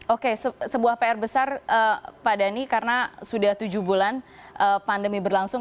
oke sebuah pr besar pak dhani karena sudah tujuh bulan pandemi berlangsung